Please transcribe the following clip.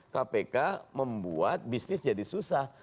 kpk membuat bisnis jadi susah